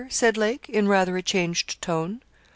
said Lake, in rather a changed tone.